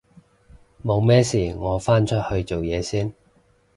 冇咩事我返出去做嘢先